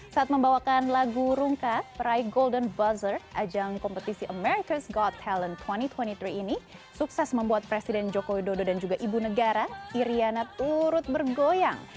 saat membawakan lagu rungkat peraih golden buzzer ajang kompetisi ⁇ americas ⁇ got talent dua ribu dua puluh tiga ini sukses membuat presiden joko widodo dan juga ibu negara iryana turut bergoyang